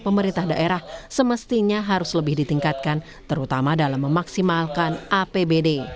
pemerintah daerah semestinya harus lebih ditingkatkan terutama dalam memaksimalkan apbd